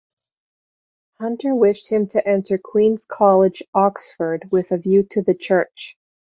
Hunter wished him to enter Queen's College, Oxford, with a view to the church.